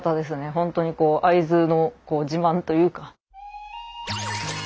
ホントにこう会津の自慢というか。